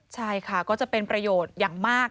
ใช่ค่ะก็จะเป็นประโยชน์อย่างมาก